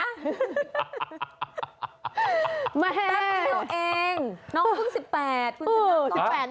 น้องเภิ้ง๑๘น้องเต้นมาก